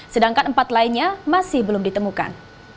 sedangkan empat lainnya masih belum ditemukan